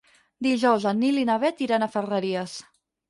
Dijous en Nil i na Bet iran a Ferreries.